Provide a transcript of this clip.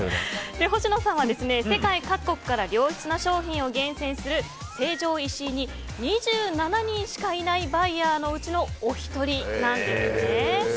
星野さんは世界各国から良質な商品を厳選する成城石井に２７人しかいないバイヤーのうちのお一人なんです。